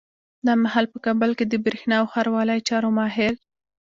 دا مهال په کابل کي د برېښنا او ښاروالۍ چارو ماهر